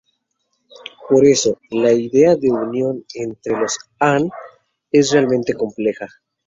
Por eso, la idea de unión entre los "han" es realmente compleja.